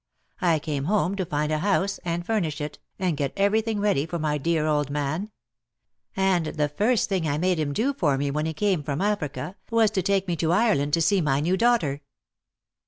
I came home to find a house, and furnish it, and get everything ready for my dear old man; and the first thing I made him do for me when he came from Africa was to take me to Ireland to see my new daughter."